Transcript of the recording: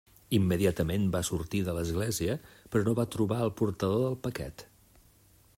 Immediatament va sortir de l'església, però no va trobar el portador del paquet.